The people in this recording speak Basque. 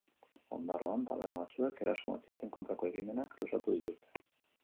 Ondarroan taberna batzuek eraso matxisten kontrako ekimenak luzatu dituzte.